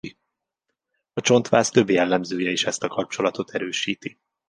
A csontváz több jellemzője is ezt a kapcsolatot erősíti.